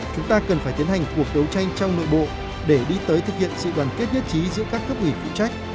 chúng ta cần phải tiến hành cuộc đấu tranh trong nội bộ để đi tới thực hiện sự đoàn kết nhất trí giữa các cấp ủy phụ trách